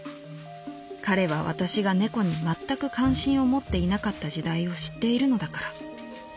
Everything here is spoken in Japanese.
彼は私が猫にまったく関心を持っていなかった時代を知っているのだから」。